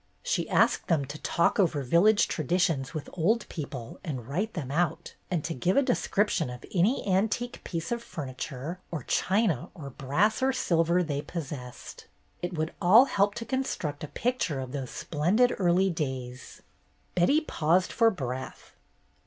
She asked them to talk over village traditions with old people and write them out, and to give a description of any antique piece of furniture or china or brass or silver they possessed. It would all help to construct a picture of those splendid early days. Betty paused for breath.